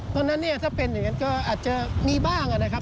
ตอนนั้นเนี่ยถ้าเป็นอย่างนั้นก็อาจจะมีบ้างนะครับ